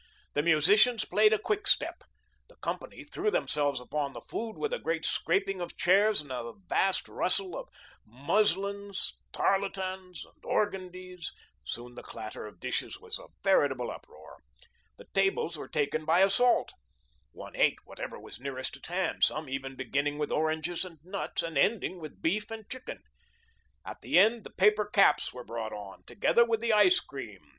The musicians played a quick step. The company threw themselves upon the food with a great scraping of chairs and a vast rustle of muslins, tarletans, and organdies; soon the clatter of dishes was a veritable uproar. The tables were taken by assault. One ate whatever was nearest at hand, some even beginning with oranges and nuts and ending with beef and chicken. At the end the paper caps were brought on, together with the ice cream.